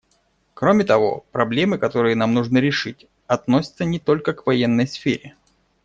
Кроме того, проблемы, которые нам нужно решить, относятся не только к военной сфере.